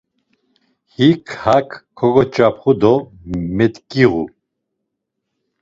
Hik hak kogoç̆apxu do mek̆iğu.